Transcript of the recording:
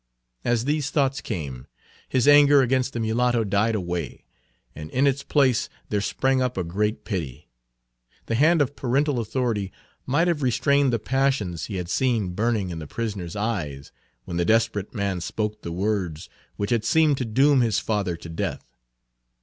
As these thoughts came, his anger against the mulatto died away, and in its place there sprang up a great pity. The hand of parental authority might have restrained the passions he had seen burning in the prisoner's eyes when the desperate man spoke the words which had seemed to doom his father to death.